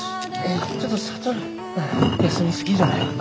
ちょっと智休み過ぎじゃない？